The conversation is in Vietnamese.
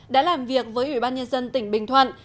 đã làm việc với ủy ban nhân dân tỉnh bình thuận